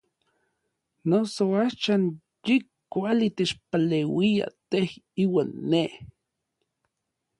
Noso axan yi kuali techpaleuia tej iuan nej.